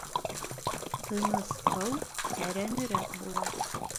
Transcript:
Тыныс һыу тәрәнерәк була.